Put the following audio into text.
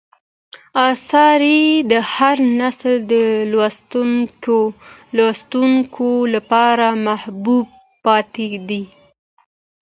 آثار یې د هر نسل د لوستونکو لپاره محبوب پاتې دي.